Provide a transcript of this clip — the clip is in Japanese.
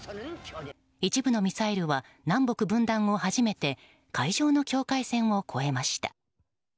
一部のミサイルは南北分断後初めて海上の境界線を越えました。